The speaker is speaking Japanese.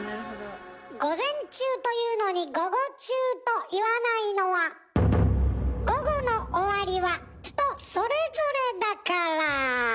午前中と言うのに午後中と言わないのは午後の終わりは人それぞれだから。